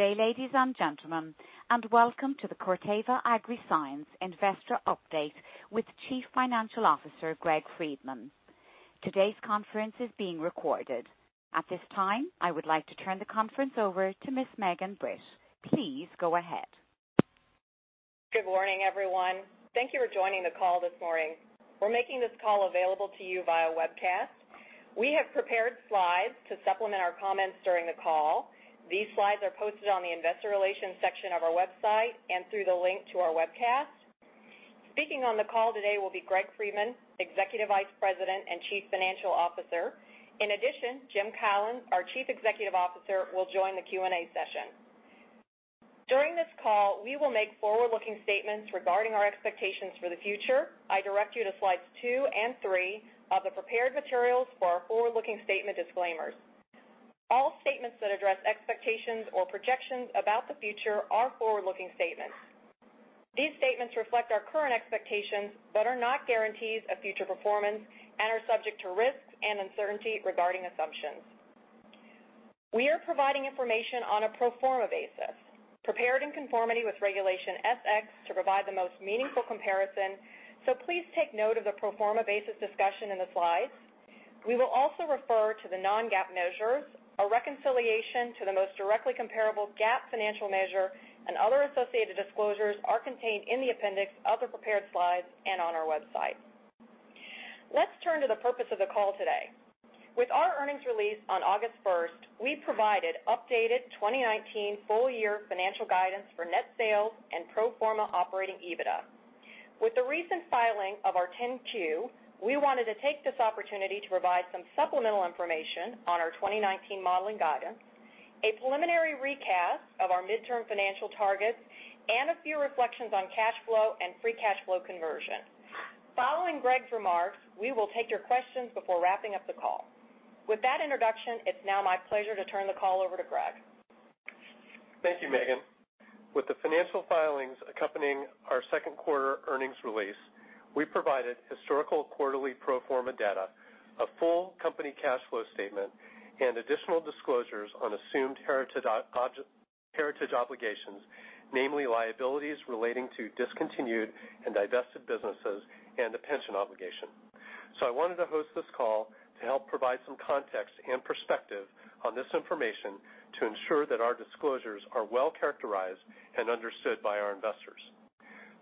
Good day, ladies and gentlemen, and welcome to the Corteva Agriscience Investor Update with Chief Financial Officer, Greg Friedman. Today's conference is being recorded. At this time, I would like to turn the conference over to Ms. Megan Britt. Please go ahead. Good morning, everyone. Thank you for joining the call this morning. We're making this call available to you via webcast. We have prepared slides to supplement our comments during the call. These slides are posted on the investor relations section of our website and through the link to our webcast. Speaking on the call today will be Greg Friedman, Executive Vice President and Chief Financial Officer. In addition, Jim Collins, our Chief Executive Officer, will join the Q&A session. During this call, we will make forward-looking statements regarding our expectations for the future. I direct you to slides two and three of the prepared materials for our forward-looking statement disclaimers. All statements that address expectations or projections about the future are forward-looking statements. These statements reflect our current expectations but are not guarantees of future performance and are subject to risks and uncertainty regarding assumptions. We are providing information on a pro forma basis, prepared in conformity with Regulation S-X to provide the most meaningful comparison. Please take note of the pro forma basis discussion in the slides. We will also refer to the non-GAAP measures. A reconciliation to the most directly comparable GAAP financial measure and other associated disclosures are contained in the appendix of the prepared slides and on our website. Let's turn to the purpose of the call today. With our earnings release on August 1st, we provided updated 2019 full-year financial guidance for net sales and pro forma operating EBITDA. With the recent filing of our 10-Q, we wanted to take this opportunity to provide some supplemental information on our 2019 modeling guidance, a preliminary recap of our midterm financial targets, and a few reflections on cash flow and free cash flow conversion. Following Greg's remarks, we will take your questions before wrapping up the call. With that introduction, it's now my pleasure to turn the call over to Greg. Thank you, Megan. With the financial filings accompanying our second quarter earnings release, we provided historical quarterly pro forma data, a full company cash flow statement, and additional disclosures on assumed heritage obligations, namely liabilities relating to discontinued and divested businesses and a pension obligation. I wanted to host this call to help provide some context and perspective on this information to ensure that our disclosures are well-characterized and understood by our investors.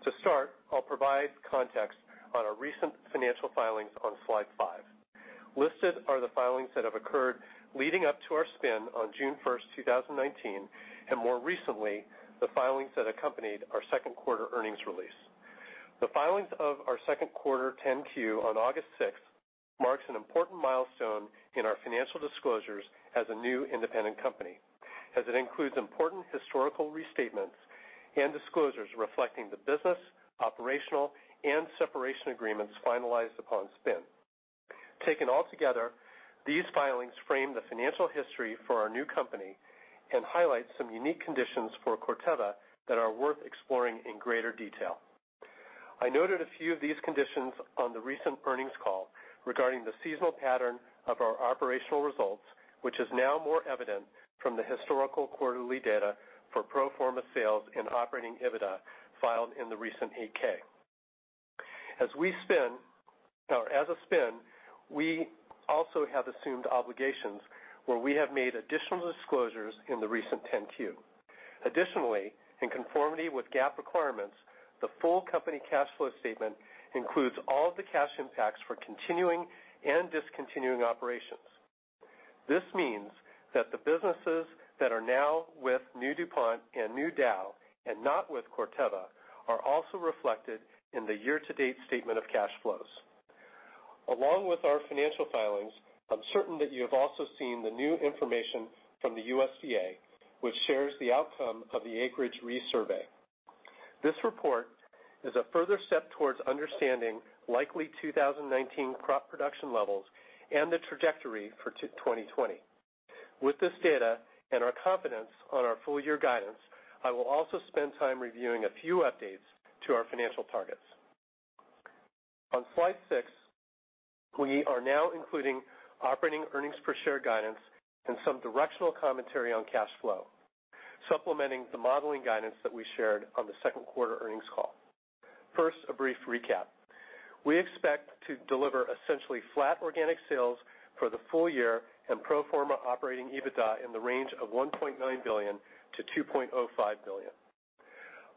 To start, I'll provide context on our recent financial filings on slide five. Listed are the filings that have occurred leading up to our spin on June first, 2019, and more recently, the filings that accompanied our second quarter earnings release. The filings of our second quarter 10-Q on August sixth marks an important milestone in our financial disclosures as a new independent company, as it includes important historical restatements and disclosures reflecting the business, operational, and separation agreements finalized upon spin. Taken altogether, these filings frame the financial history for our new company and highlight some unique conditions for Corteva that are worth exploring in greater detail. I noted a few of these conditions on the recent earnings call regarding the seasonal pattern of our operational results, which is now more evident from the historical quarterly data for pro forma sales and operating EBITDA filed in the recent 8-K. As a spin, we also have assumed obligations where we have made additional disclosures in the recent 10-Q. Additionally, in conformity with GAAP requirements, the full company cash flow statement includes all of the cash impacts for continuing and discontinuing operations. This means that the businesses that are now with new DuPont and new Dow and not with Corteva are also reflected in the year-to-date statement of cash flows. Along with our financial filings, I'm certain that you have also seen the new information from the USDA, which shares the outcome of the acreage resurvey. This report is a further step towards understanding likely 2019 crop production levels and the trajectory for 2020. With this data and our confidence on our full-year guidance, I will also spend time reviewing a few updates to our financial targets. On slide six, we are now including operating earnings per share guidance and some directional commentary on cash flow, supplementing the modeling guidance that we shared on the second quarter earnings call. First, a brief recap. We expect to deliver essentially flat organic sales for the full year and pro forma operating EBITDA in the range of $1.9 billion-$2.05 billion.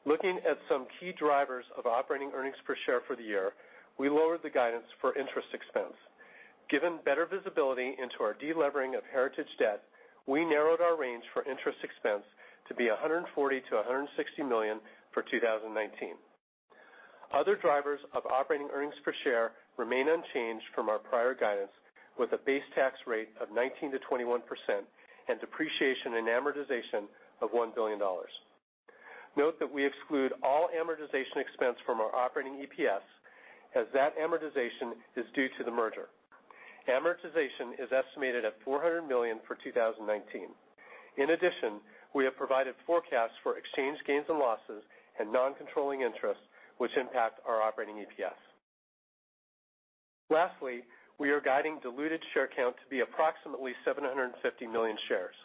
Looking at some key drivers of operating earnings per share for the year, we lowered the guidance for interest expense. Given better visibility into our de-levering of heritage debt, we narrowed our range for interest expense to be $140 million-$160 million for 2019. Other drivers of operating earnings per share remain unchanged from our prior guidance, with a base tax rate of 19%-21% and depreciation and amortization of $1 billion. Note that we exclude all amortization expense from our operating EPS, as that amortization is due to the merger. Amortization is estimated at $400 million for 2019. In addition, we have provided forecasts for exchange gains and losses and non-controlling interests, which impact our operating EPS. We are guiding diluted share count to be approximately 750 million shares.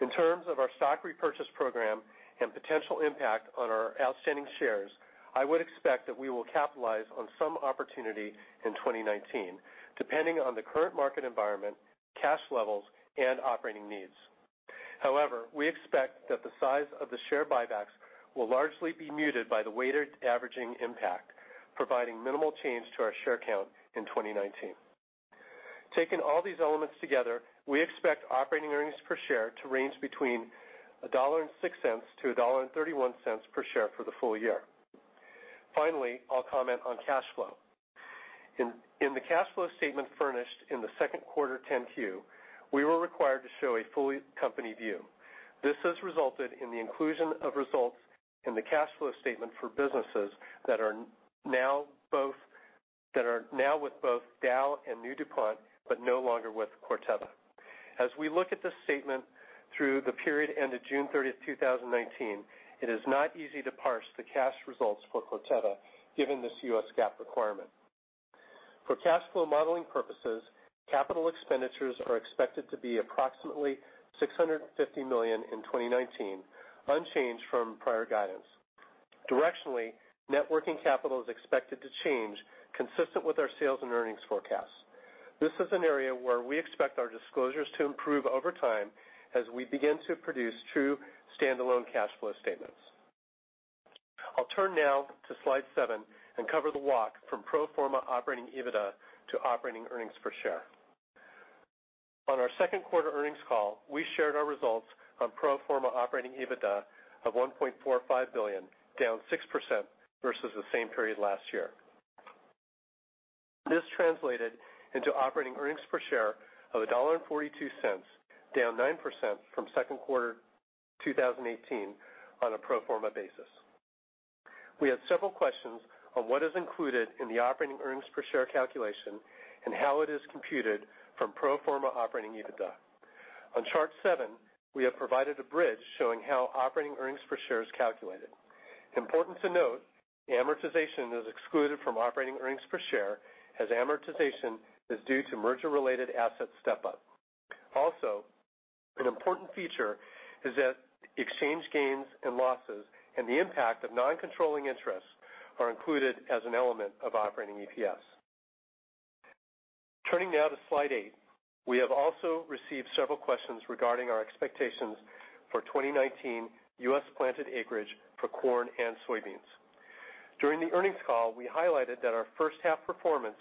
In terms of our stock repurchase program and potential impact on our outstanding shares, I would expect that we will capitalize on some opportunity in 2019, depending on the current market environment, cash levels, and operating needs. We expect that the size of the share buybacks will largely be muted by the weighted averaging impact, providing minimal change to our share count in 2019. Taking all these elements together, we expect operating earnings per share to range between $1.06-$1.31 per share for the full year. I'll comment on cash flow. In the cash flow statement furnished in the second quarter 10-Q, we were required to show a full company view. This has resulted in the inclusion of results in the cash flow statement for businesses that are now with both Dow and DuPont, but no longer with Corteva. As we look at this statement through the period end of June 30, 2019, it is not easy to parse the cash results for Corteva given this U.S. GAAP requirement. For cash flow modeling purposes, capital expenditures are expected to be approximately $650 million in 2019, unchanged from prior guidance. Directionally, net working capital is expected to change consistent with our sales and earnings forecasts. This is an area where we expect our disclosures to improve over time as we begin to produce true standalone cash flow statements. I'll turn now to slide seven and cover the walk from pro forma operating EBITDA to operating earnings per share. On our second quarter earnings call, we shared our results on pro forma operating EBITDA of $1.45 billion, down 6% versus the same period last year. This translated into operating earnings per share of $1.42, down 9% from second quarter 2018 on a pro forma basis. We had several questions on what is included in the operating earnings per share calculation and how it is computed from pro forma operating EBITDA. On chart seven, we have provided a bridge showing how operating earnings per share is calculated. Important to note, amortization is excluded from operating earnings per share, as amortization is due to merger-related asset step-up. Also, an important feature is that exchange gains and losses and the impact of non-controlling interests are included as an element of operating EPS. Turning now to slide eight. We have also received several questions regarding our expectations for 2019 U.S.-planted acreage for corn and soybeans. During the earnings call, we highlighted that our first half performance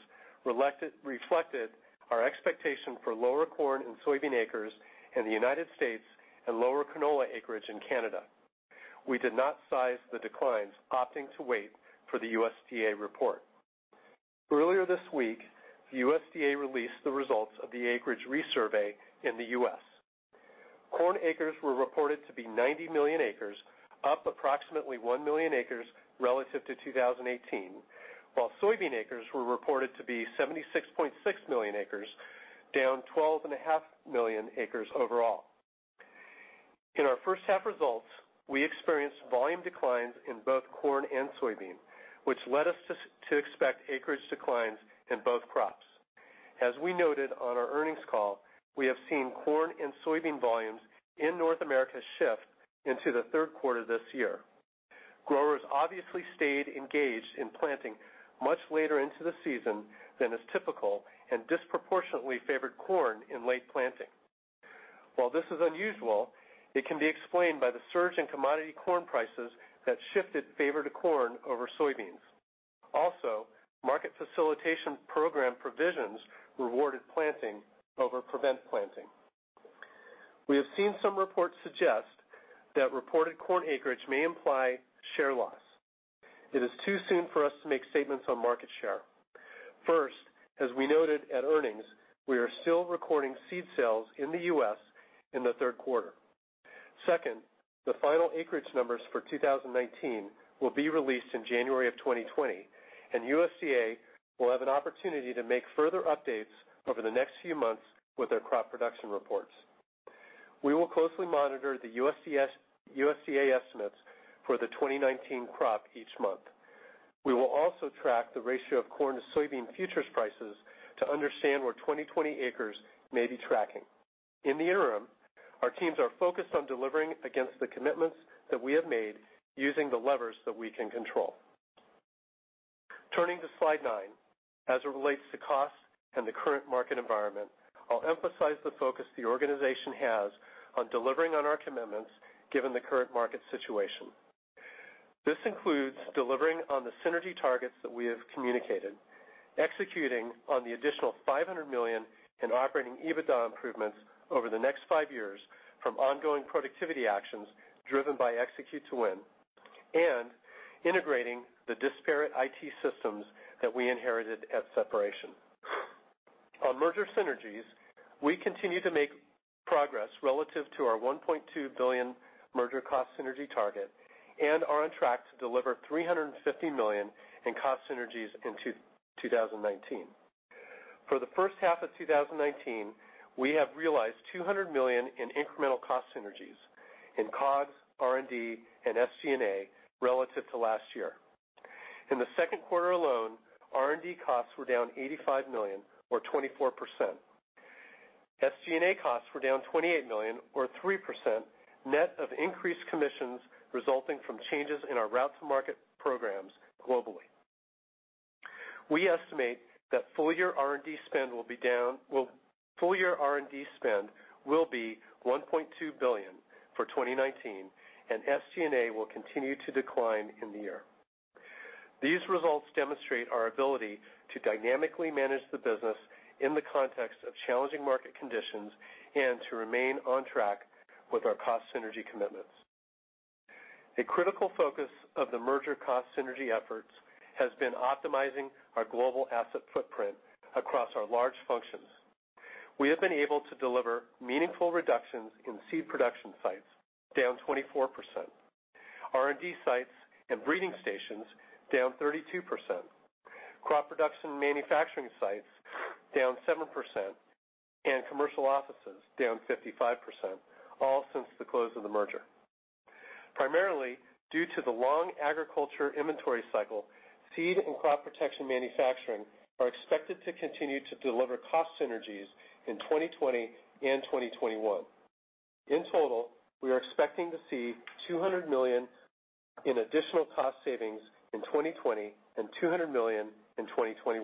reflected our expectation for lower corn and soybean acres in the United States and lower canola acreage in Canada. We did not size the declines, opting to wait for the USDA report. Earlier this week, the USDA released the results of the acreage resurvey in the U.S. Corn acres were reported to be 90 million acres, up approximately one million acres relative to 2018, while soybean acres were reported to be 76.6 million acres, down 12.5 million acres overall. In our first half results, we experienced volume declines in both corn and soybean, which led us to expect acreage declines in both crops. As we noted on our earnings call, we have seen corn and soybean volumes in North America shift into the third quarter this year. Growers obviously stayed engaged in planting much later into the season than is typical and disproportionately favored corn in late planting. While this is unusual, it can be explained by the surge in commodity corn prices that shifted favor to corn over soybeans. Market Facilitation Program provisions rewarded planting over prevented planting. We have seen some reports suggest that reported corn acreage may imply share loss. It is too soon for us to make statements on market share. As we noted at earnings, we are still recording seed sales in the U.S. in the third quarter. The final acreage numbers for 2019 will be released in January of 2020, and USDA will have an opportunity to make further updates over the next few months with their crop production reports. We will closely monitor the USDA estimates for the 2019 crop each month. We will also track the ratio of corn to soybean futures prices to understand where 2020 acres may be tracking. In the interim, our teams are focused on delivering against the commitments that we have made using the levers that we can control. Turning to slide nine. As it relates to costs and the current market environment, I'll emphasize the focus the organization has on delivering on our commitments given the current market situation. This includes delivering on the synergy targets that we have communicated, executing on the additional $500 million in operating EBITDA improvements over the next five years from ongoing productivity actions driven by Execute to Win, integrating the disparate IT systems that we inherited at separation. On merger synergies, we continue to make progress relative to our $1.2 billion merger cost synergy target and are on track to deliver $350 million in cost synergies in 2019. For the first half of 2019, we have realized $200 million in incremental cost synergies in COGS, R&D, and SG&A relative to last year. In the second quarter alone, R&D costs were down $85 million or 24%. SG&A costs were down $28 million or 3%, net of increased commissions resulting from changes in our route to market programs globally. We estimate that full year R&D spend will be $1.2 billion for 2019, and SG&A will continue to decline in the year. These results demonstrate our ability to dynamically manage the business in the context of challenging market conditions and to remain on track with our cost synergy commitments. A critical focus of the merger cost synergy efforts has been optimizing our global asset footprint across our large functions. We have been able to deliver meaningful reductions in seed production sites, down 24%, R&D sites and breeding stations, down 32%, crop production manufacturing sites, down 7%, and commercial offices, down 55%, all since the close of the merger. Primarily due to the long agriculture inventory cycle, seed and crop protection manufacturing are expected to continue to deliver cost synergies in 2020 and 2021. In total, we are expecting to see $200 million in additional cost savings in 2020 and $200 million in 2021.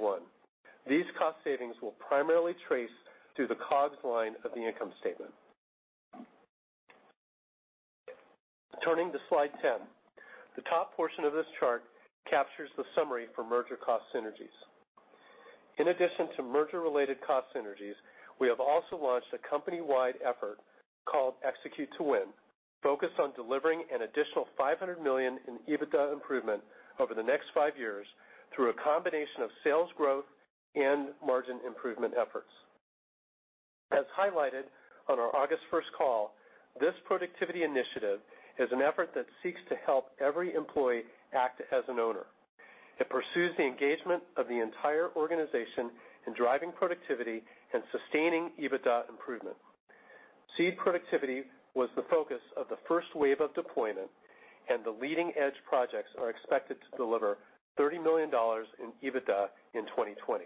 These cost savings will primarily trace through the COGS line of the income statement. Turning to slide 10. The top portion of this chart captures the summary for merger cost synergies. In addition to merger-related cost synergies, we have also launched a company-wide effort called Execute to Win, focused on delivering an additional $500 million in EBITDA improvement over the next five years through a combination of sales growth and margin improvement efforts. As highlighted on our August 1st call, this productivity initiative is an effort that seeks to help every employee act as an owner. It pursues the engagement of the entire organization in driving productivity and sustaining EBITDA improvement. Seed productivity was the focus of the first wave of deployment, and the leading-edge projects are expected to deliver $30 million in EBITDA in 2020.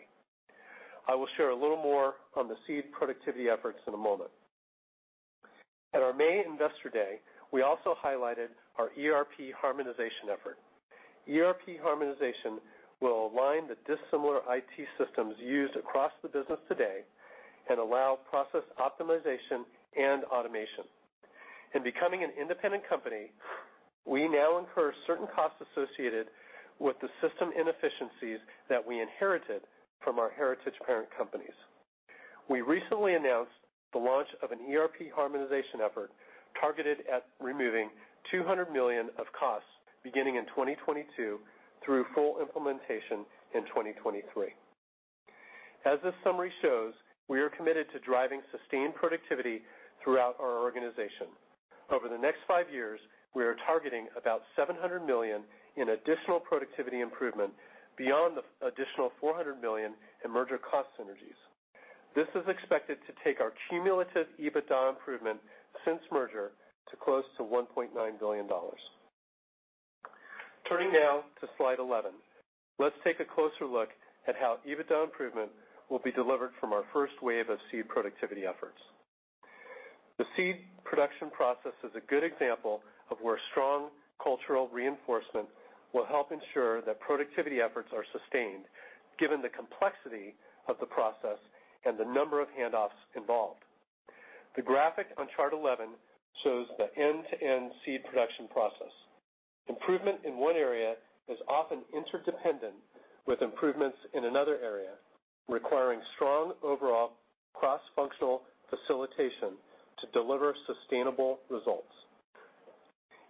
I will share a little more on the seed productivity efforts in a moment. At our main Investor Day, we also highlighted our ERP Harmonization Effort. ERP Harmonization will align the dissimilar IT systems used across the business today and allow process optimization and automation. In becoming an independent company, we now incur certain costs associated with the system inefficiencies that we inherited from our heritage parent companies. We recently announced the launch of an ERP Harmonization Effort targeted at removing $200 million of costs beginning in 2022 through full implementation in 2023. As this summary shows, we are committed to driving sustained productivity throughout our organization. Over the next five years, we are targeting about $700 million in additional productivity improvement beyond the additional $400 million in merger cost synergies. This is expected to take our cumulative EBITDA improvement since merger to close to $1.9 billion. Turning now to slide 11. Let's take a closer look at how EBITDA improvement will be delivered from our first wave of seed productivity efforts. The seed production process is a good example of where strong cultural reinforcement will help ensure that productivity efforts are sustained given the complexity of the process and the number of handoffs involved. The graphic on Chart 11 shows the end-to-end seed production process. Improvement in one area is often interdependent with improvements in another area, requiring strong overall cross-functional facilitation to deliver sustainable results.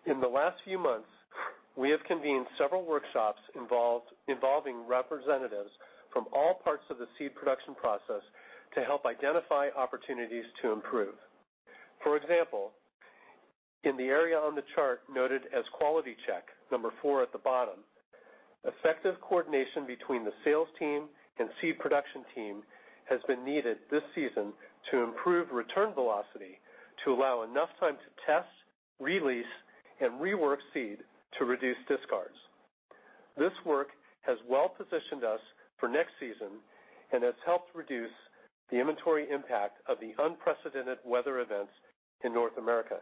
In the last few months, we have convened several workshops involving representatives from all parts of the seed production process to help identify opportunities to improve. For example, in the area on the chart noted as quality check, number 4 at the bottom, effective coordination between the sales team and seed production team has been needed this season to improve return velocity to allow enough time to test, release, and rework seed to reduce discards. This work has well-positioned us for next season and has helped reduce the inventory impact of the unprecedented weather events in North America.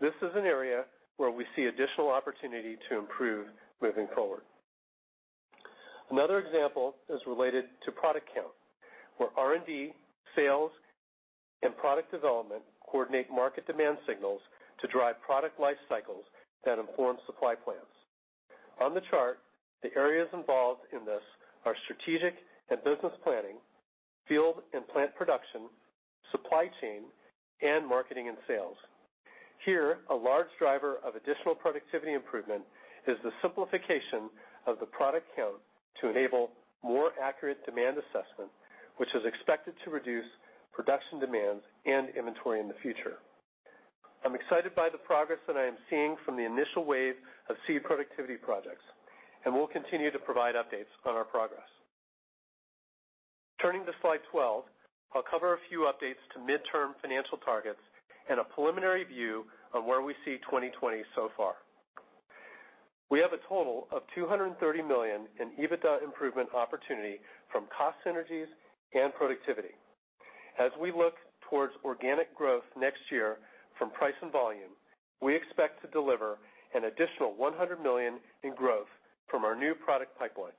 This is an area where we see additional opportunity to improve moving forward. Another example is related to product count, where R&D, sales, and product development coordinate market demand signals to drive product life cycles that inform supply plans. On the chart, the areas involved in this are strategic and business planning, field and plant production, supply chain, and marketing and sales. Here, a large driver of additional productivity improvement is the simplification of the product count to enable more accurate demand assessment, which is expected to reduce production demands and inventory in the future. I'm excited by the progress that I am seeing from the initial wave of seed productivity projects, and we'll continue to provide updates on our progress. Turning to slide 12, I'll cover a few updates to midterm financial targets and a preliminary view of where we see 2020 so far. We have a total of $230 million in EBITDA improvement opportunity from cost synergies and productivity. As we look towards organic growth next year from price and volume, we expect to deliver an additional $100 million in growth from our new product pipeline.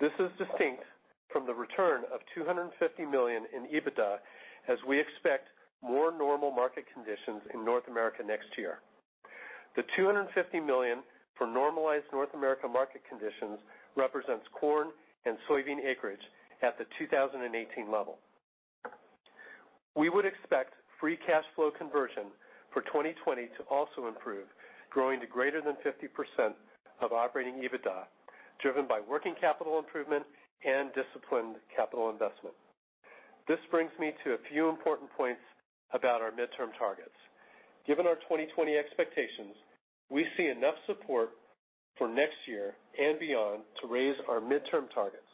This is distinct from the return of $250 million in EBITDA, as we expect more normal market conditions in North America next year. The $250 million for normalized North America market conditions represents corn and soybean acreage at the 2018 level. We would expect free cash flow conversion for 2020 to also improve, growing to greater than 50% of operating EBITDA, driven by working capital improvement and disciplined capital investment. This brings me to a few important points about our midterm targets. Given our 2020 expectations, we see enough support for next year and beyond to raise our midterm targets.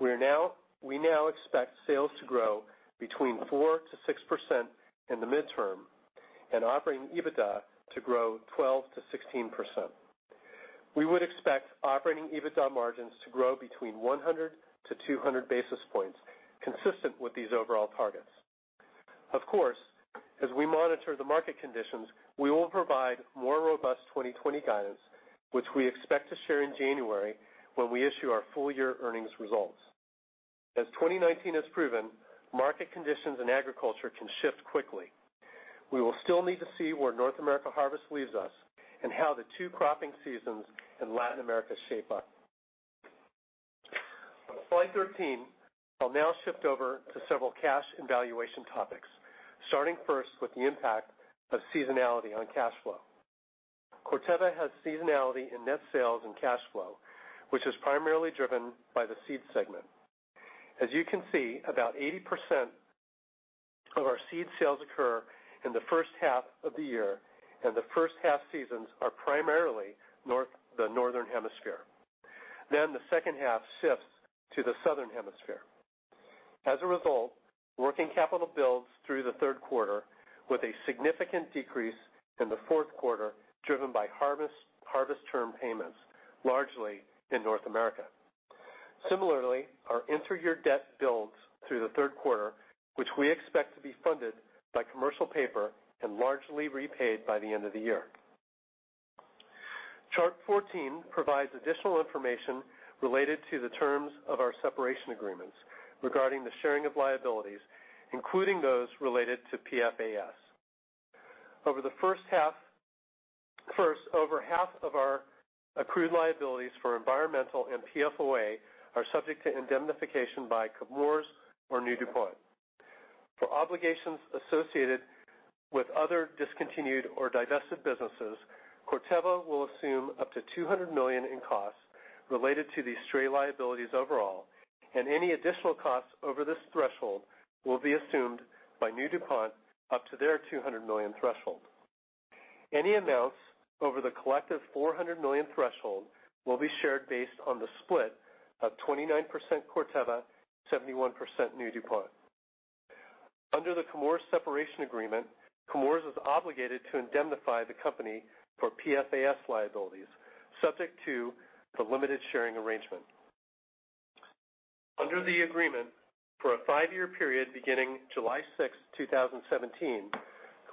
We now expect sales to grow between 4% to 6% in the midterm and operating EBITDA to grow 12% to 16%. We would expect operating EBITDA margins to grow between 100 to 200 basis points, consistent with these overall targets. Of course, as we monitor the market conditions, we will provide more robust 2020 guidance, which we expect to share in January when we issue our full-year earnings results. As 2019 has proven, market conditions in agriculture can shift quickly. We will still need to see where North America harvest leaves us and how the two cropping seasons in Latin America shape up. On slide 13, I'll now shift over to several cash and valuation topics, starting first with the impact of seasonality on cash flow. Corteva has seasonality in net sales and cash flow, which is primarily driven by the seeds segment. As you can see, about 80% of our seed sales occur in the first half of the year, and the first half seasons are primarily the northern hemisphere. The second half shifts to the southern hemisphere. As a result, working capital builds through the third quarter with a significant decrease in the fourth quarter, driven by harvest term payments, largely in North America. Similarly, our inter-year debt builds through the third quarter, which we expect to be funded by commercial paper and largely repaid by the end of the year. Chart 14 provides additional information related to the terms of our separation agreements regarding the sharing of liabilities, including those related to PFAS. First, over half of our accrued liabilities for environmental and PFOA are subject to indemnification by Chemours or New DuPont. For obligations associated with other discontinued or divested businesses, Corteva will assume up to $200 million in costs related to these stray liabilities overall, and any additional costs over this threshold will be assumed by New DuPont up to their $200 million threshold. Any amounts over the collective $400 million threshold will be shared based on the split of 29% Corteva, 71% New DuPont. Under the Chemours separation agreement, Chemours is obligated to indemnify the company for PFAS liabilities subject to the limited sharing arrangement. Under the agreement, for a five-year period beginning July 6, 2017,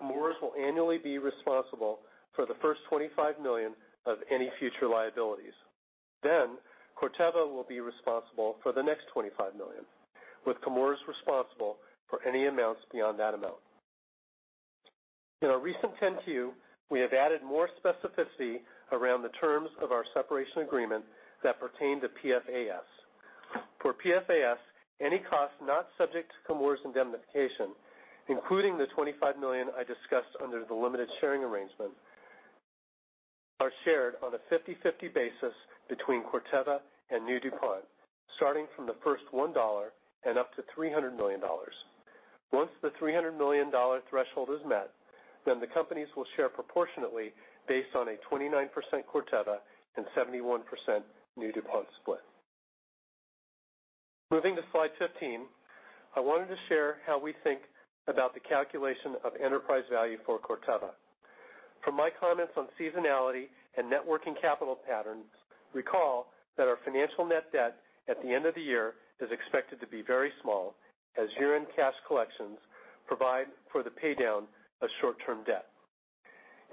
Chemours will annually be responsible for the first $25 million of any future liabilities. Corteva will be responsible for the next $25 million, with Chemours responsible for any amounts beyond that amount. In our recent 10-Q, we have added more specificity around the terms of our separation agreement that pertain to PFAS. For PFAS, any costs not subject to Chemours' indemnification, including the $25 million I discussed under the limited sharing arrangement, are shared on a 50/50 basis between Corteva and New DuPont, starting from the first $1 and up to $300 million. Once the $300 million threshold is met, the companies will share proportionately based on a 29% Corteva and 71% New DuPont split. Moving to slide 15, I wanted to share how we think about the calculation of enterprise value for Corteva. From my comments on seasonality and net working capital patterns, recall that our financial net debt at the end of the year is expected to be very small, as year-end cash collections provide for the paydown of short-term debt.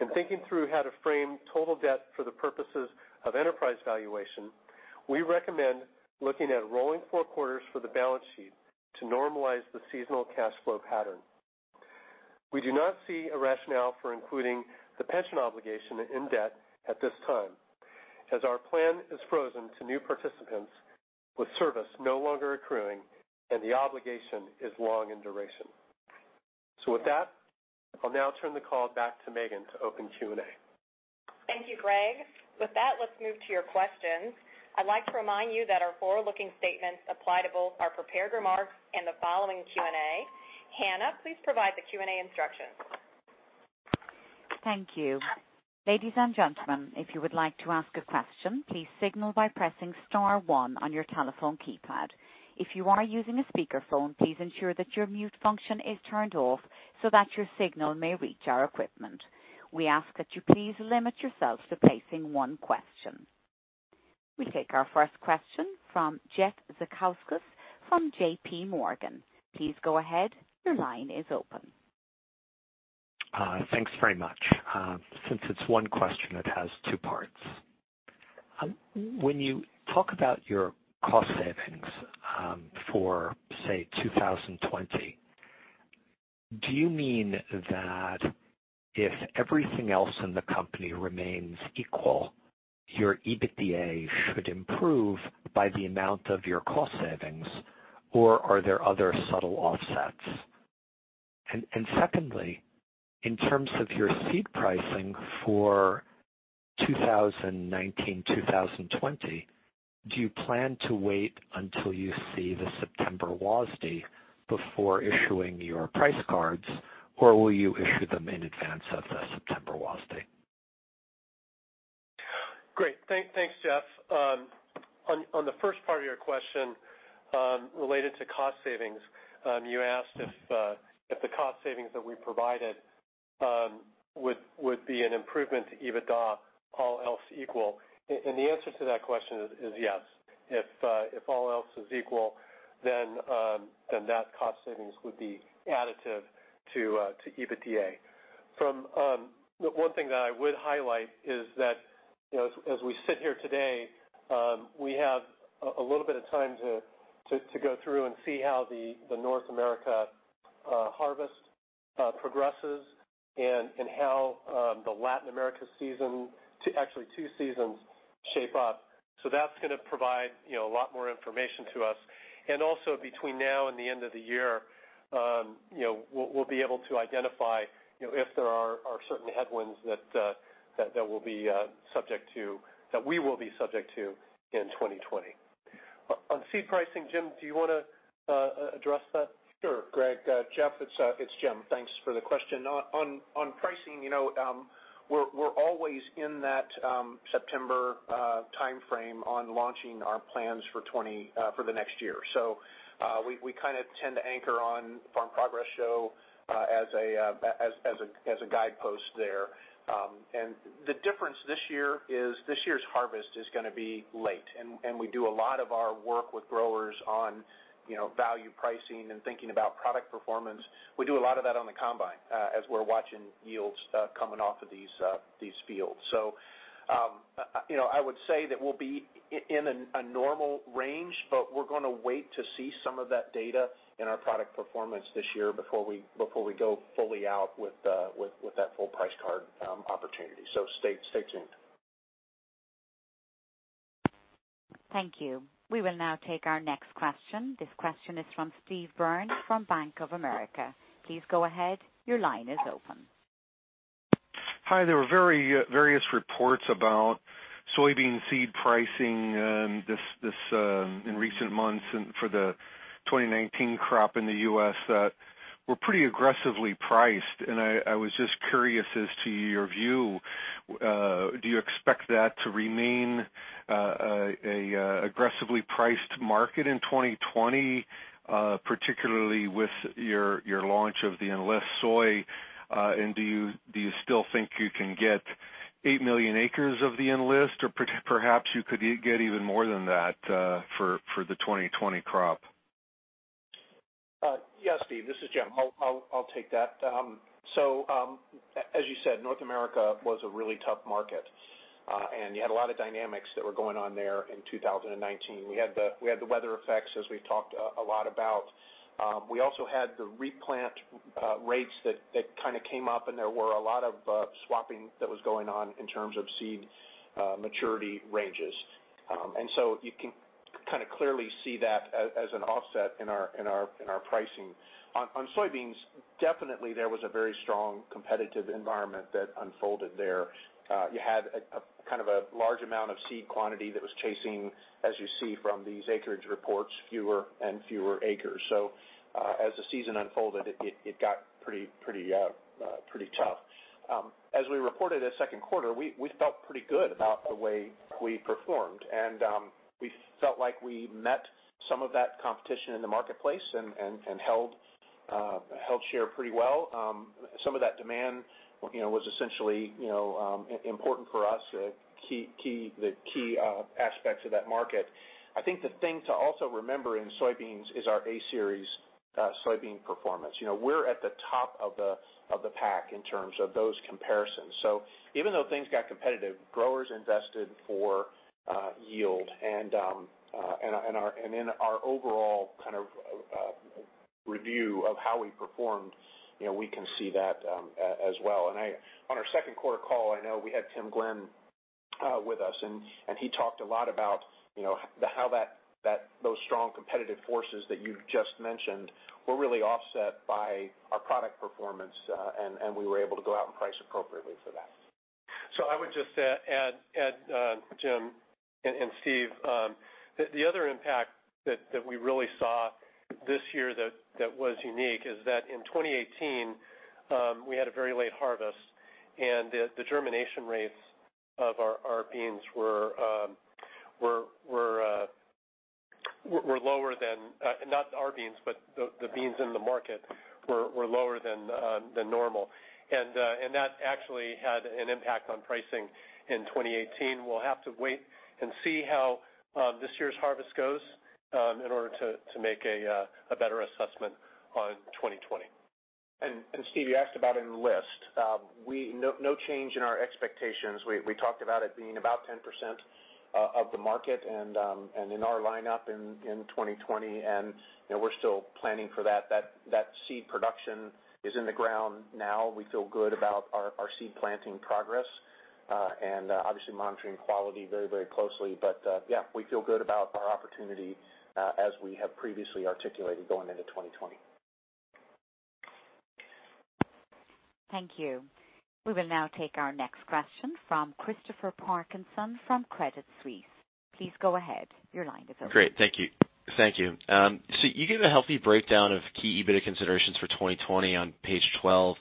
In thinking through how to frame total debt for the purposes of enterprise valuation, we recommend looking at rolling four quarters for the balance sheet to normalize the seasonal cash flow pattern. We do not see a rationale for including the pension obligation in debt at this time, as our plan is frozen to new participants with service no longer accruing and the obligation is long in duration. With that, I'll now turn the call back to Megan to open Q&A. Thank you, Greg. With that, let's move to your questions. I'd like to remind you that our forward-looking statements apply to both our prepared remarks and the following Q&A. Hannah, please provide the Q&A instructions. Thank you. Ladies and gentlemen, if you would like to ask a question, please signal by pressing star 1 on your telephone keypad. If you are using a speakerphone, please ensure that your mute function is turned off so that your signal may reach our equipment. We ask that you please limit yourself to placing 1 question. We take our first question from Jeff Zekauskas from JPMorgan. Please go ahead. Your line is open. Thanks very much. Since it's one question, it has two parts. When you talk about your cost savings for, say, 2020, do you mean that if everything else in the company remains equal, your EBITDA should improve by the amount of your cost savings, or are there other subtle offsets? Secondly, in terms of your seed pricing for 2019-2020, do you plan to wait until you see the September WASDE before issuing your price cards, or will you issue them in advance of the September WASDE? Great. Thanks, Jeff. On the first part of your question related to cost savings, you asked if the cost savings that we provided would be an improvement to EBITDA, all else equal. The answer to that question is yes. If all else is equal, then that cost savings would be additive to EBITDA. One thing that I would highlight is that as we sit here today, we have a little bit of time to go through and see how the North America harvest progresses and how the Latin America season, actually two seasons, shape up. Also between now and the end of the year, we'll be able to identify if there are certain headwinds that we will be subject to in 2020. On seed pricing, Jim, do you want to address that? Sure, Greg. Jeff, it's Jim. Thanks for the question. We kind of tend to anchor on Farm Progress Show as a guidepost there. The difference this year is this year's harvest is going to be late, and we do a lot of our work with growers on value pricing and thinking about product performance. We do a lot of that on the combine as we're watching yields coming off of these fields. I would say that we'll be in a normal range, but we're going to wait to see some of that data in our product performance this year before we go fully out with that full price card opportunity. Stay tuned. Thank you. We will now take our next question. This question is from Steve Byrne from Bank of America. Please go ahead. Your line is open. Hi. There were various reports about soybean seed pricing in recent months for the 2019 crop in the U.S. that were pretty aggressively priced. I was just curious as to your view. Do you expect that to remain an aggressively priced market in 2020, particularly with your launch of the Enlist soy? Do you still think you can get eight million acres of the Enlist, or perhaps you could get even more than that for the 2020 crop? Yes, Steve, this is Jim. I'll take that. As you said, North America was a really tough market, and you had a lot of dynamics that were going on there in 2019. We had the weather effects, as we've talked a lot about. We also had the replant rates that kind of came up, and there were a lot of swapping that was going on in terms of seed maturity ranges. You can kind of clearly see that as an offset in our pricing. On soybeans, definitely there was a very strong competitive environment that unfolded there. You had kind of a large amount of seed quantity that was chasing, as you see from these acreage reports, fewer and fewer acres. As the season unfolded, it got pretty tough. As we reported at second quarter, we felt pretty good about the way we performed, and we felt like we met some of that competition in the marketplace and held share pretty well. Some of that demand was essentially important for us, the key aspects of that market. I think the thing to also remember in soybeans is our A-Series Soybeans performance. We're at the top of the pack in terms of those comparisons. Even though things got competitive, growers invested for yield, and in our overall kind of review of how we performed, we can see that as well. On our second quarter call, I know we had Tim Glenn with us. He talked a lot about how those strong competitive forces that you just mentioned were really offset by our product performance, and we were able to go out and price appropriately for that. I would just add, Jim and Steve, the other impact that we really saw this year that was unique is that in 2018, we had a very late harvest and the germination rates of our beans were lower than, not our beans, but the beans in the market, were lower than normal. That actually had an impact on pricing in 2018. We'll have to wait and see how this year's harvest goes in order to make a better assessment on 2020. Steve, you asked about Enlist. No change in our expectations. We talked about it being about 10% of the market and in our lineup in 2020. We're still planning for that. That seed production is in the ground now. We feel good about our seed planting progress. Obviously monitoring quality very closely. Yeah, we feel good about our opportunity as we have previously articulated going into 2020. Thank you. We will now take our next question from Christopher Parkinson from Credit Suisse. Please go ahead. Your line is open. Great. Thank you. You gave a healthy breakdown of key EBITDA considerations for 2020 on page 12.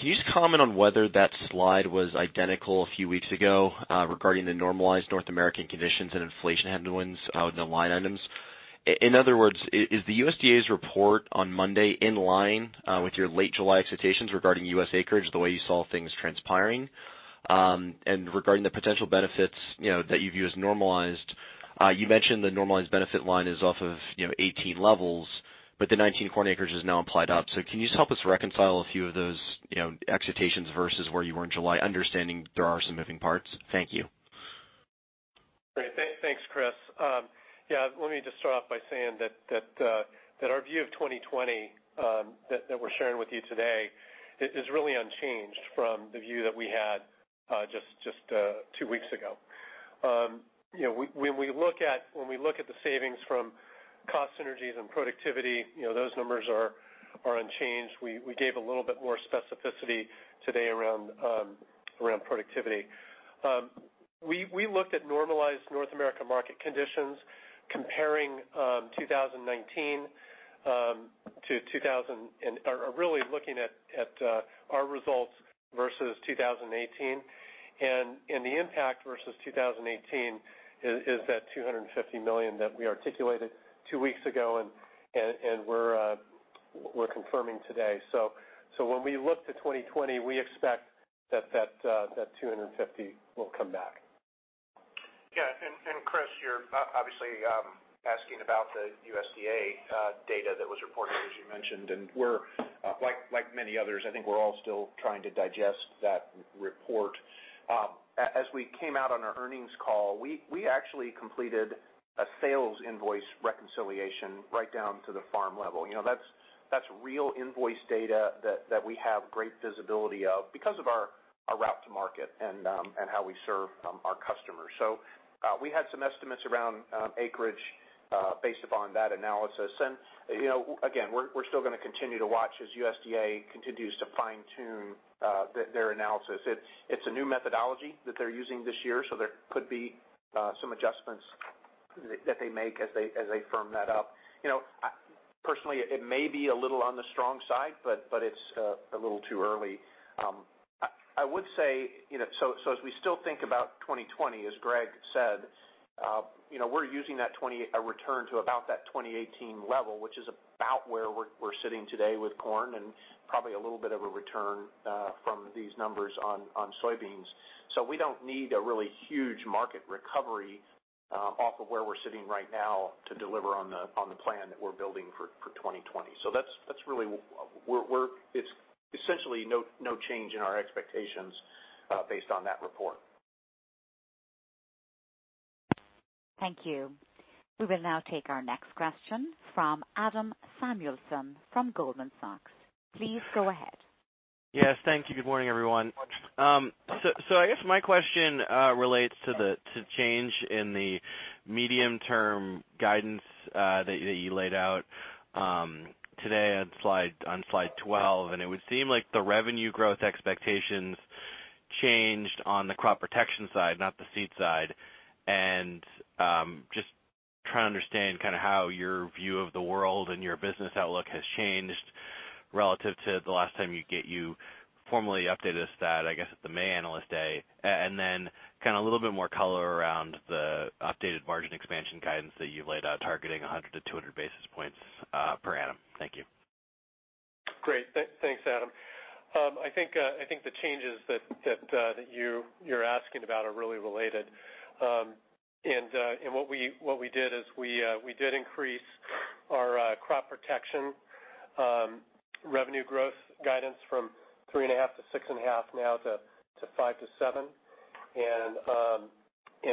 Can you just comment on whether that slide was identical a few weeks ago regarding the normalized North American conditions and inflation headwinds out in the line items? In other words, is the USDA's report on Monday in line with your late July expectations regarding U.S. acreage, the way you saw things transpiring? Regarding the potential benefits that you view as normalized, you mentioned the normalized benefit line is off of 18 levels, but the 2019 corn acreage has now applied up. Can you just help us reconcile a few of those expectations versus where you were in July, understanding there are some moving parts? Thank you. Great. Thanks, Chris. Let me just start off by saying that our view of 2020 that we're sharing with you today is really unchanged from the view that we had just two weeks ago. When we look at the savings from cost synergies and productivity, those numbers are unchanged. We gave a little bit more specificity today around productivity. We looked at normalized North America market conditions comparing 2019 to 2000, and are really looking at our results versus 2018. The impact versus 2018 is that $250 million that we articulated two weeks ago and we're confirming today. When we look to 2020, we expect that that $250 will come back. Yeah. Chris, you're obviously asking about the USDA data that was reported, as you mentioned. Like many others, I think we're all still trying to digest that report. As we came out on our earnings call, we actually completed a sales invoice reconciliation right down to the farm level. That's real invoice data that we have great visibility of because of our route to market and how we serve our customers. We had some estimates around acreage based upon that analysis. Again, we're still going to continue to watch as USDA continues to fine-tune their analysis. It's a new methodology that they're using this year, so there could be some adjustments that they make as they firm that up. Personally, it may be a little on the strong side, but it's a little too early. I would say, as we still think about 2020, as Greg said, we're using a return to about that 2018 level, which is about where we're sitting today with corn and probably a little bit of a return from these numbers on soybeans. We don't need a really huge market recovery off of where we're sitting right now to deliver on the plan that we're building for 2020. It's essentially no change in our expectations based on that report. Thank you. We will now take our next question from Adam Samuelson from Goldman Sachs. Please go ahead. Yes. Thank you. Good morning, everyone. I guess my question relates to change in the medium-term guidance that you laid out today on slide 12, and it would seem like the revenue growth expectations changed on the crop protection side, not the seed side. Just trying to understand how your view of the world and your business outlook has changed relative to the last time you formally updated us that, I guess at the May Analyst Day. A little bit more color around the updated margin expansion guidance that you laid out targeting 100 to 200 basis points per annum. Thank you. Great. Thanks, Adam. I think the changes that you're asking about are really related. What we did is we did increase our crop protection revenue growth guidance from 3.5%-6.5% now to 5%-7%.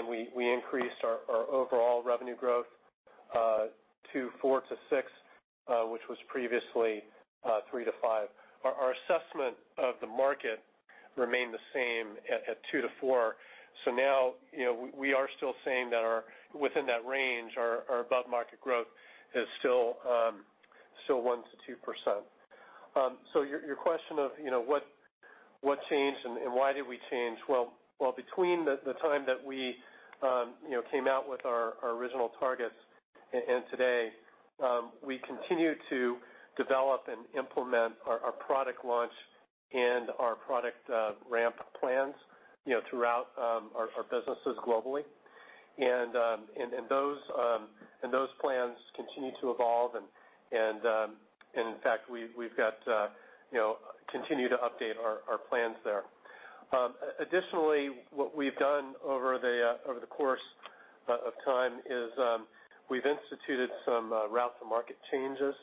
We increased our overall revenue growth to 4%-6%, which was previously 3%-5%. Our assessment of the market remained the same at 2%-4%. Now, we are still saying that within that range, our above-market growth is still 1%-2%. Your question of what changed and why did we change? Between the time that we came out with our original targets and today, we continue to develop and implement our product launch and our product ramp plans throughout our businesses globally. Those plans continue to evolve, and in fact, we've got to continue to update our plans there. What we've done over the course of time is we've instituted some route-to-market changes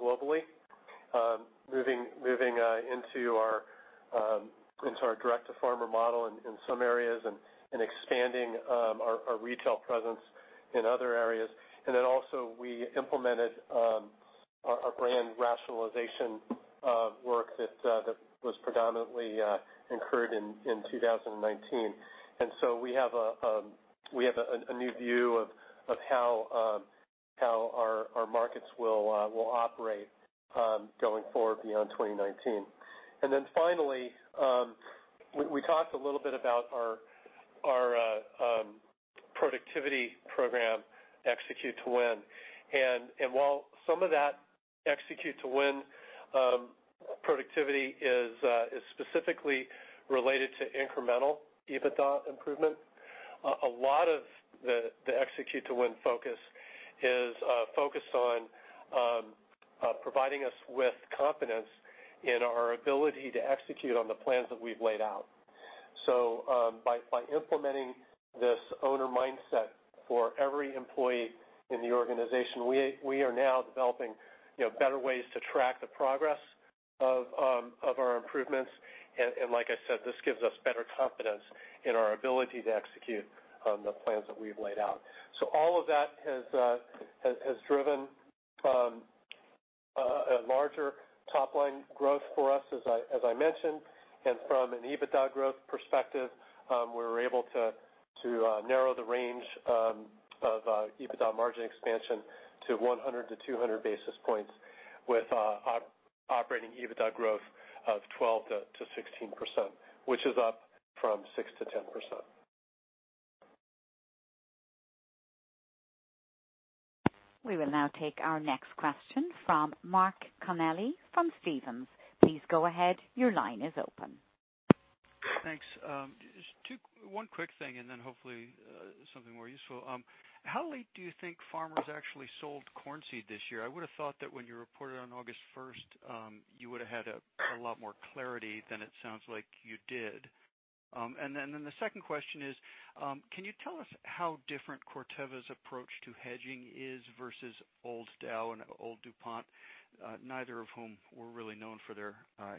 globally. Moving into our direct-to-farmer model in some areas and expanding our retail presence in other areas. We implemented our brand rationalization work that was predominantly incurred in 2019. We have a new view of how our markets will operate going forward beyond 2019. Finally, we talked a little bit about our productivity program, Execute to Win. While some of that Execute to Win productivity is specifically related to incremental EBITDA improvement, a lot of the Execute to Win focus is focused on providing us with confidence in our ability to execute on the plans that we've laid out. By implementing this owner mindset for every employee in the organization, we are now developing better ways to track the progress of our improvements. Like I said, this gives us better confidence in our ability to execute on the plans that we've laid out. All of that has driven a larger top-line growth for us, as I mentioned. From an EBITDA growth perspective, we were able to narrow the range of EBITDA margin expansion to 100-200 basis points with operating EBITDA growth of 12%-16%, which is up from 6%-10%. We will now take our next question from Mark Connelly from Stephens. Please go ahead. Your line is open. Thanks. Just one quick thing and then hopefully something more useful. How late do you think farmers actually sold corn seed this year? I would've thought that when you reported on August 1st, you would've had a lot more clarity than it sounds like you did. The second question is, can you tell us how different Corteva's approach to hedging is versus old Dow and old DuPont, neither of whom were really known for their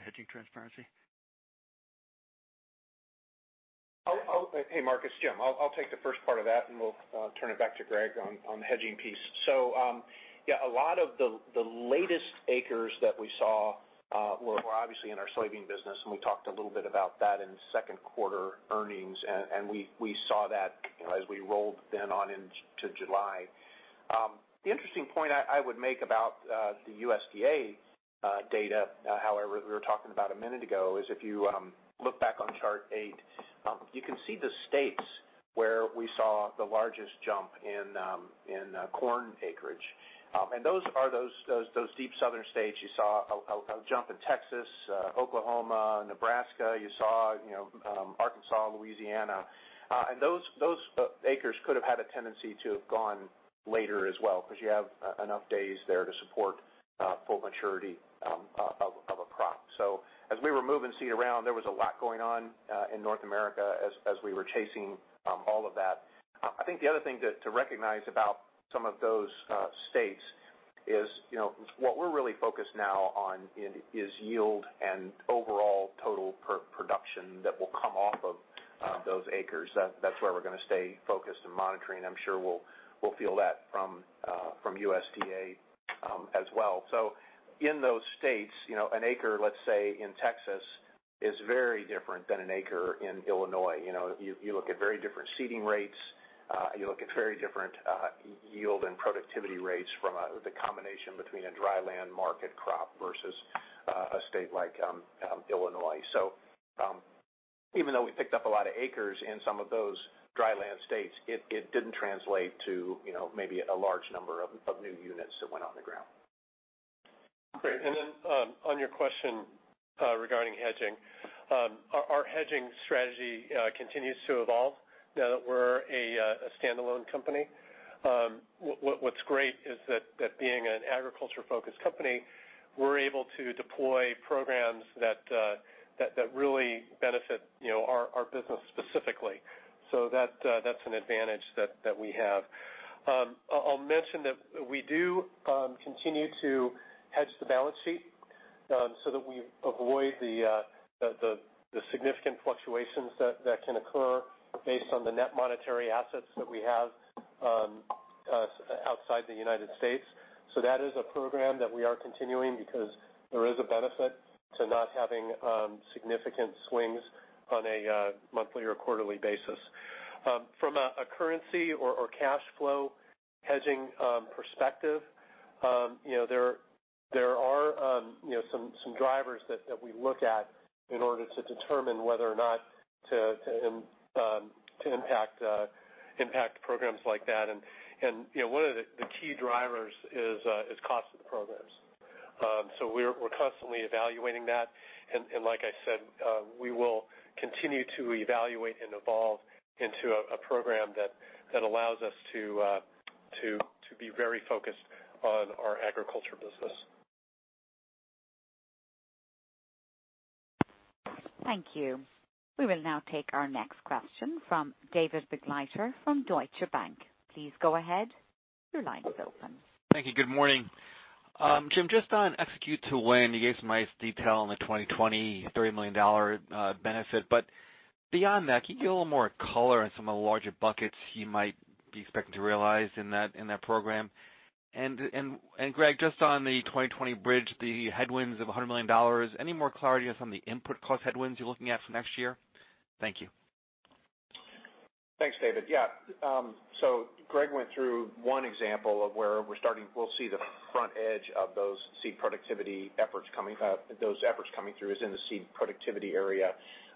hedging transparency? Hey, Mark, it's Jim. I'll take the first part of that, and we'll turn it back to Greg Friedman on the hedging piece. Yeah, a lot of the latest acres that we saw were obviously in our soybean business, and we talked a little bit about that in second quarter earnings. We saw that as we rolled then on into July. The interesting point I would make about the USDA data, however, that we were talking about a minute ago is if you look back on chart eight, you can see the states where we saw the largest jump in corn acreage. Those are those deep Southern states. You saw a jump in Texas, Oklahoma, Nebraska. You saw Arkansas, Louisiana. Those acres could have had a tendency to have gone later as well because you have enough days there to support full maturity of a crop. As we were moving seed around, there was a lot going on in North America as we were chasing all of that. I think the other thing to recognize about some of those states is what we're really focused now on is yield and overall total production that will come off of those acres. That's where we're going to stay focused and monitoring. I'm sure we'll feel that from USDA as well. In those states, an acre, let's say in Texas, is very different than an acre in Illinois. You look at very different seeding rates. You look at very different yield and productivity rates from the combination between a dry land market crop versus a state like Illinois. Even though we picked up a lot of acres in some of those dry land states, it didn't translate to maybe a large number of new units that went on the ground. Great. Then on your question regarding hedging. Our hedging strategy continues to evolve now that we're a standalone company. What's great is that being an agriculture-focused company, we're able to deploy programs that really benefit our business specifically. That's an advantage that we have. I'll mention that we do continue to hedge the balance sheet That we avoid the significant fluctuations that can occur based on the net monetary assets that we have outside the United States. That is a program that we are continuing because there is a benefit to not having significant swings on a monthly or quarterly basis. From a currency or cash flow hedging perspective, there are some drivers that we look at in order to determine whether or not to impact programs like that. One of the key drivers is cost of the programs. We're constantly evaluating that, and like I said, we will continue to evaluate and evolve into a program that allows us to be very focused on our agriculture business. Thank you. We will now take our next question from David Begleiter from Deutsche Bank. Please go ahead. Your line is open. Thank you. Good morning. Jim, just on Execute to Win, you gave some nice detail on the 2020 $30 million benefit, beyond that, can you give a little more color on some of the larger buckets you might be expecting to realize in that program? Greg, just on the 2020 bridge, the headwinds of $100 million, any more clarity on some of the input cost headwinds you're looking at for next year? Thank you. Thanks, David. Yeah. Greg went through one example of where we'll see the front edge of those seed productivity efforts coming through is in the seed productivity area.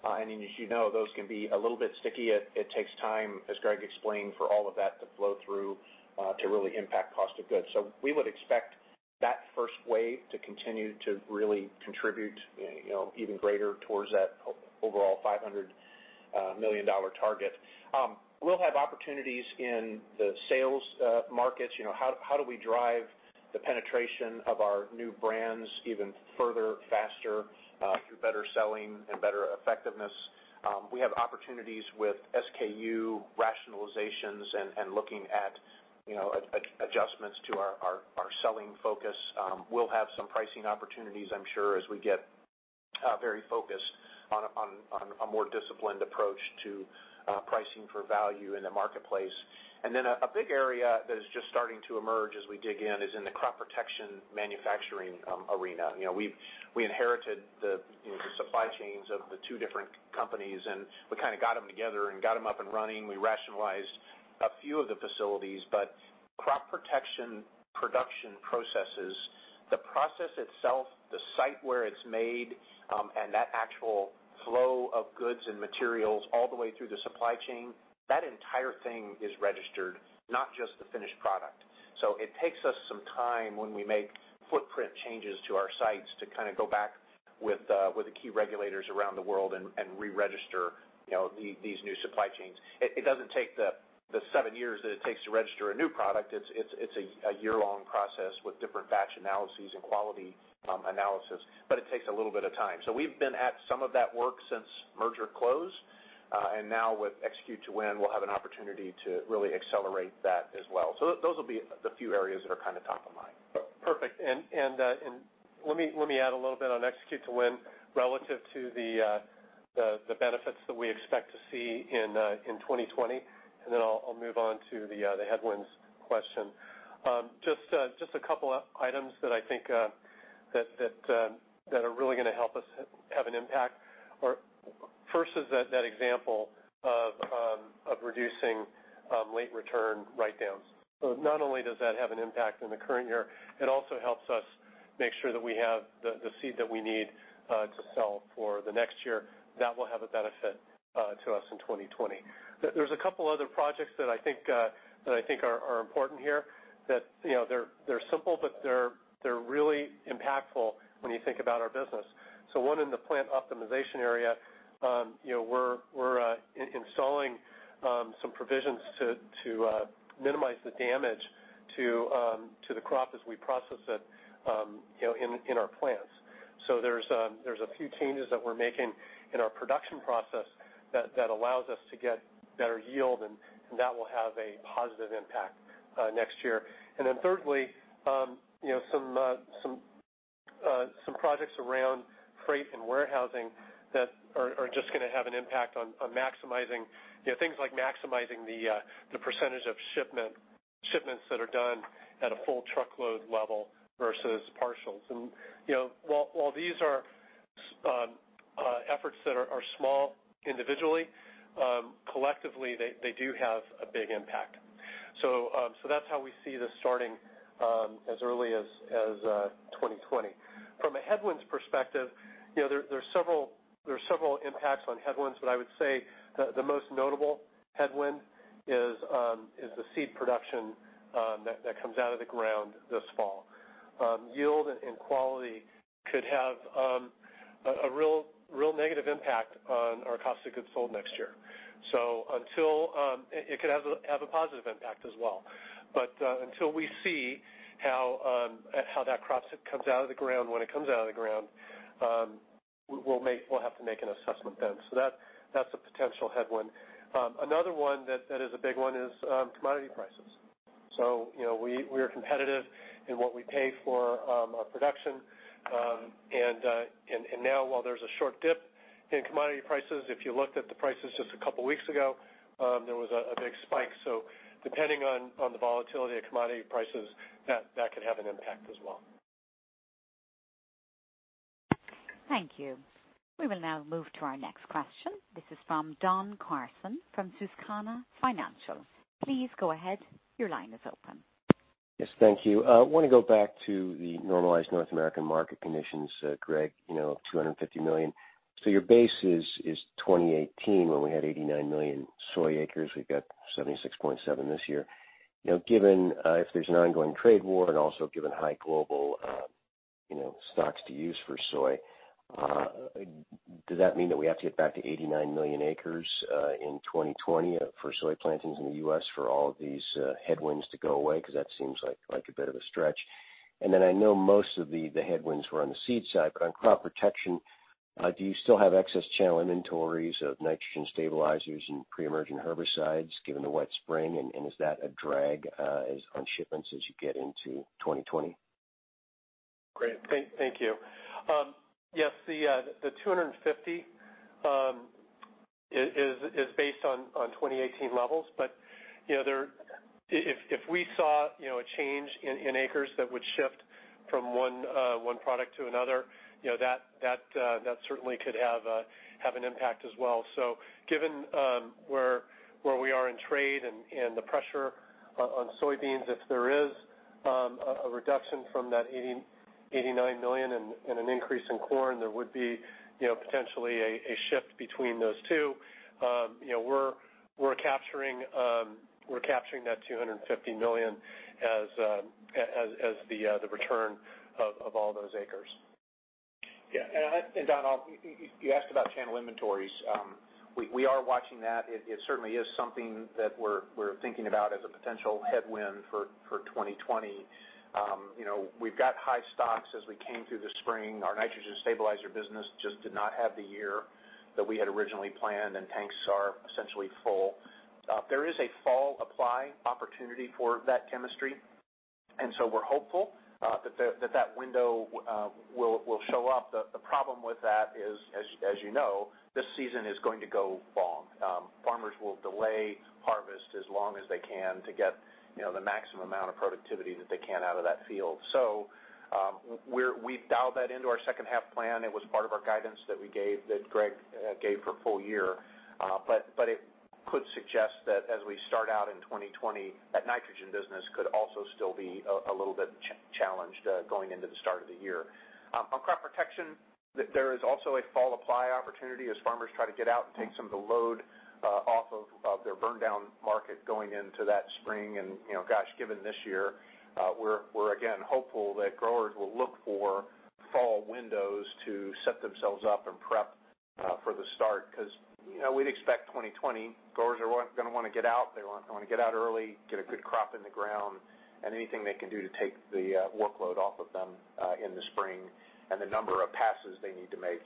As you know, those can be a little bit sticky. It takes time, as Greg explained, for all of that to flow through to really impact COGS. We would expect that first wave to continue to really contribute even greater towards that overall $500 million target. We'll have opportunities in the sales markets. How do we drive the penetration of our new brands even further, faster through better selling and better effectiveness? We have opportunities with SKU rationalizations and looking at adjustments to our selling focus. We'll have some pricing opportunities, I'm sure, as we get very focused on a more disciplined approach to pricing for value in the marketplace. A big area that is just starting to emerge as we dig in is in the crop protection manufacturing arena. We inherited the supply chains of the two different companies, and we kind of got them together and got them up and running. We rationalized a few of the facilities, but crop protection production processes, the process itself, the site where it's made, and that actual flow of goods and materials all the way through the supply chain, that entire thing is registered, not just the finished product. It takes us some time when we make footprint changes to our sites to kind of go back with the key regulators around the world and re-register these new supply chains. It doesn't take the seven years that it takes to register a new product. It's a year-long process with different batch analyses and quality analysis, but it takes a little bit of time. We've been at some of that work since merger close. Now with Execute to Win, we'll have an opportunity to really accelerate that as well. Those will be the few areas that are kind of top of mind. Perfect. Let me add a little bit on Execute to Win relative to the benefits that we expect to see in 2020. Then I'll move on to the headwinds question. Just a couple items that I think that are really going to help us have an impact. First is that example of reducing late return write-downs. Not only does that have an impact in the current year, it also helps us make sure that we have the seed that we need to sell for the next year. That will have a benefit to us in 2020. There's a couple other projects that I think are important here that they're simple, but they're really impactful when you think about our business. One in the plant optimization area, we're installing some provisions to minimize the damage to the crop as we process it in our plants. There's a few changes that we're making in our production process that allows us to get better yield, and that will have a positive impact next year. Thirdly, some projects around freight and warehousing that are just going to have an impact on maximizing, things like maximizing the percentage of shipments that are done at a full truckload level versus partials. While these are efforts that are small individually, collectively, they do have a big impact. That's how we see this starting as early as 2020. From a headwinds perspective, there's several impacts on headwinds, but I would say the most notable headwind is the seed production that comes out of the ground this fall. Yield and quality could have a real negative impact on our cost of goods sold next year. It could have a positive impact as well. Until we see how that crop comes out of the ground when it comes out of the ground, we'll have to make an assessment then. That's a potential headwind. Another one that is a big one is commodity prices. We are competitive in what we pay for our production. Now while there's a short dip in commodity prices, if you looked at the prices just a couple of weeks ago, there was a big spike. Depending on the volatility of commodity prices, that could have an impact as well. Thank you. We will now move to our next question. This is from Don Carson from Susquehanna Financial. Please go ahead. Your line is open. Yes, thank you. I want to go back to the normalized North American market conditions, Greg, $250 million. Your base is 2018, when we had 89 million soy acres. We've got 76.7 this year. Given if there's an ongoing trade war and also given high global stocks to use for soy, does that mean that we have to get back to 89 million acres in 2020 for soy plantings in the U.S. for all of these headwinds to go away? That seems like a bit of a stretch. Then I know most of the headwinds were on the seed side. On crop protection, do you still have excess channel inventories of nitrogen stabilizers and pre-emergent herbicides given the wet spring? Is that a drag on shipments as you get into 2020? Great. Thank you. The 250 is based on 2018 levels. If we saw a change in acres that would shift from one product to another, that certainly could have an impact as well. Given where we are in trade and the pressure on soybeans, if there is a reduction from that 89 million and an increase in corn, there would be potentially a shift between those two. We're capturing that 250 million as the return of all those acres. Yeah. Don, you asked about channel inventories. We are watching that. It certainly is something that we're thinking about as a potential headwind for 2020. We've got high stocks as we came through the spring. Our nitrogen stabilizer business just did not have the year that we had originally planned, and tanks are essentially full. There is a fall apply opportunity for that chemistry, we're hopeful that window will show up. The problem with that is, as you know, this season is going to go long. Farmers will delay harvest as long as they can to get the maximum amount of productivity that they can out of that field. We've dialed that into our second half plan. It was part of our guidance that we gave, that Greg gave for full year. It could suggest that as we start out in 2020, that nitrogen business could also still be a little bit challenged going into the start of the year. On crop protection, there is also a fall apply opportunity as farmers try to get out and take some of the load off of their burndown market going into that spring. Gosh, given this year, we're again hopeful that growers will look for fall windows to set themselves up and prep for the start. We'd expect 2020 growers are going to want to get out. They want to get out early, get a good crop in the ground, and anything they can do to take the workload off of them in the spring and the number of passes they need to make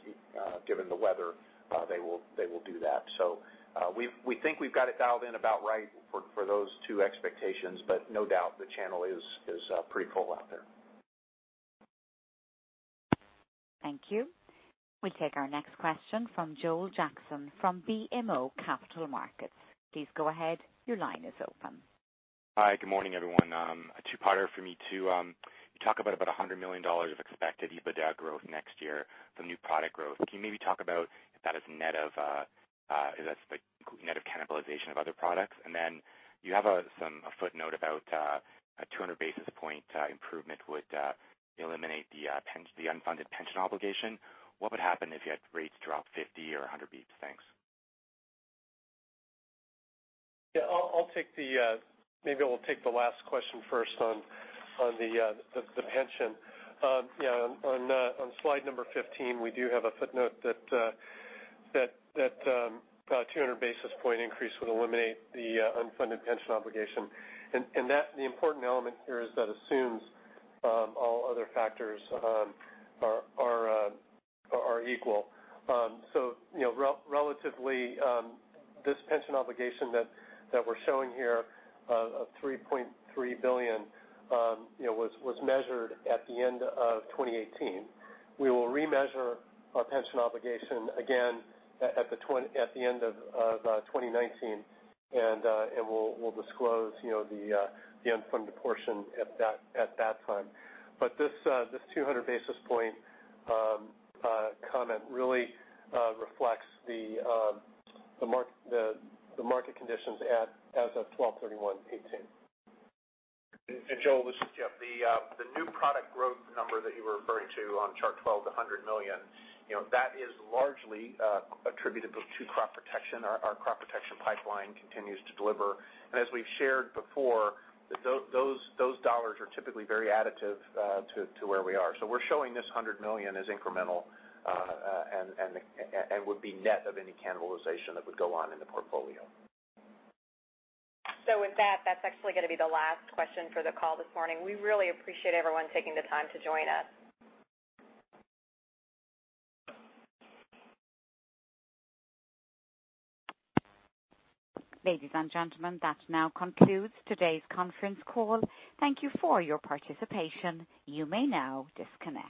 given the weather, they will do that. We think we've got it dialed in about right for those two expectations, but no doubt the channel is pretty full out there. Thank you. We'll take our next question from Joel Jackson from BMO Capital Markets. Please go ahead. Your line is open. Hi. Good morning, everyone. A two-parter for me, too. You talk about $100 million of expected EBITDA growth next year from new product growth. Can you maybe talk about if that is net of cannibalization of other products? You have a footnote about a 200-basis point improvement would eliminate the unfunded pension obligation. What would happen if you had rates drop 50 or 100 basis points? Thanks. Maybe I will take the last question first on the pension. On slide number 15, we do have a footnote that a 200-basis point increase would eliminate the unfunded pension obligation. The important element here is that assumes all other factors are equal. Relatively, this pension obligation that we're showing here of $3.3 billion was measured at the end of 2018. We will remeasure our pension obligation again at the end of 2019, and we'll disclose the unfunded portion at that time. This 200-basis point comment really reflects the market conditions as of 12/31/2018. Joel, the new product growth number that you were referring to on chart 12, the $100 million, that is largely attributable to crop protection. Our crop protection pipeline continues to deliver. As we've shared before, those dollars are typically very additive to where we are. We're showing this $100 million as incremental and would be net of any cannibalization that would go on in the portfolio. With that's actually going to be the last question for the call this morning. We really appreciate everyone taking the time to join us. Ladies and gentlemen, that now concludes today's conference call. Thank you for your participation. You may now disconnect.